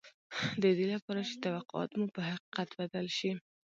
د دې لپاره چې توقعات مو په حقيقت بدل شي.